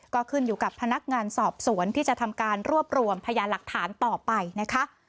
ก็ขึ้นอยู่กับพนักงานสอบสวนที่จะทำการรวบรวมพยานหลักฐานต่อไปนะคะ